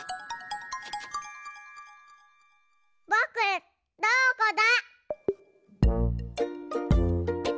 ぼくどこだ？